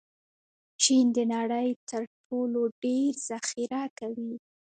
چین د نړۍ تر ټولو ډېر ذخیره کوي.